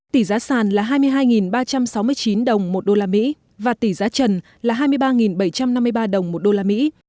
tỷ giá sàn là hai mươi hai ba trăm sáu mươi chín đồng một đô la mỹ và tỷ giá trần là hai mươi ba bảy trăm năm mươi ba đồng một đô la mỹ